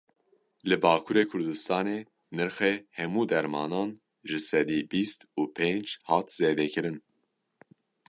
Li Bakurê Kurdistanê nirxê hemû dermanan ji sedî bîst û pênc hat zêdekirin.